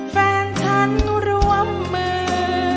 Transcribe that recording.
แฟนฉันร่วมมือ